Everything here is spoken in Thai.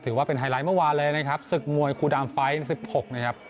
ถือว่าเป็นไฮไลท์เมื่อวานเลยนะครับสึกมวยคูดามไฟท์สิบหกนะครับ